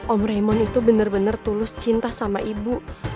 om raymond itu bener bener tulus cinta sama ibu